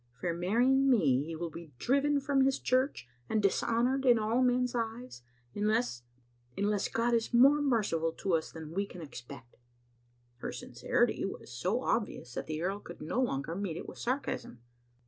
" For marrying me he will be driven from his church and dishonored in all men's eyes, unless — unless God is more merciful to us than we can expect. " Her sincerity was so obvious that the earl could no longer meet it with sarcasm.